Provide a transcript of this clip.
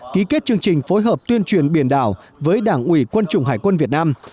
ký kết chương trình phối hợp tuyên truyền biển đảo với đảng ủy quân chủng hải quân việt nam